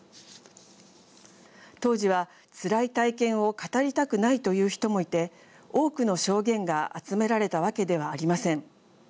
当時はつらい体験を語りたくないという人もいて多くの証言が集められたわけではありません。